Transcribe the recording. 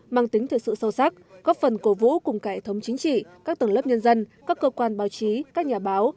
mang tính thời sự sâu sắc góp phần cổ vũ cùng cải thống chính trị các tầng lớp nhân dân các cơ quan báo chí các nhà báo